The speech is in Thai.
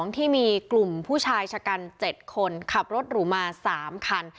ที่มีกลุ่มผู้ชายชะกัน๗คนขับรถหรูมา๓คัน